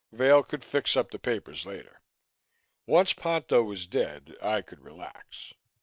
Vail could fix up the papers later. Once Ponto was dead, I could relax.